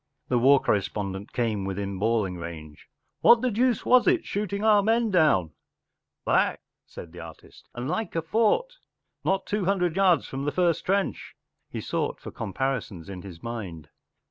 The war correspondent came within bawling range, “ What the deuce was it ? Shooting our men down !” “ Black,” said the artist, “ and like a fort Not two hundred yards from the first trench*” He sought for comparisons in his mind.